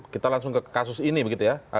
kita langsung ke kasus ini begitu ya